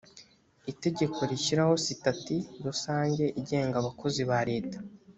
itegeko rishyiraho sitati rusange igenga abakozi ba leta